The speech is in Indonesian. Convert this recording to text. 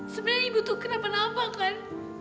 sebenarnya ibu tuh kenapa napa kan